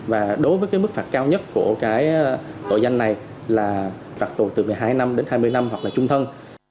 và đối với cái mức phạt cao nhất của cái tội danh này là phạt tù từ một mươi hai năm đến hai mươi năm hoặc là trung thân